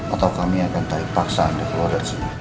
atau kami akan tarik paksa anda keluar dari sini